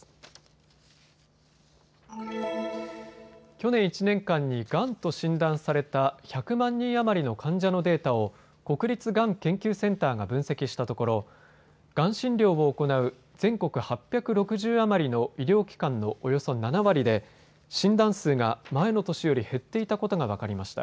去年１年間にがんと診断された１００万人余りの患者のデータを国立がん研究センターが分析したところがん診療を行う全国８６０余りの医療機関のおよそ７割で診断数が前の年より減っていたことが分かりました。